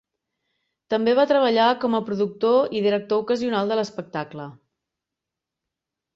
També va treballar com a productor i director ocasional de l'espectacle.